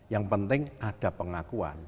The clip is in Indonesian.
yang penting ada pengakuan